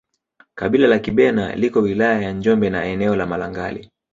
Kabila la Kibena liko wilaya ya Njombe na eneo la Malangali